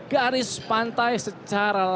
garis pantai secara